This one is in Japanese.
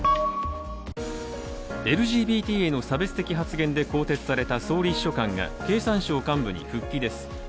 ＬＧＢＴへの差別的発言で更迭された総理秘書官が経産省幹部に復帰です。